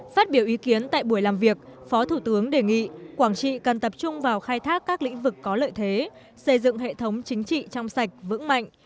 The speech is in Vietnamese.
phát biểu ý kiến tại buổi làm việc phó thủ tướng đề nghị quảng trị cần tập trung vào khai thác các lĩnh vực có lợi thế xây dựng hệ thống chính trị trong sạch vững mạnh